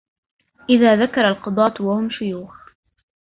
إذا ذكر القضاة وهم شيوخ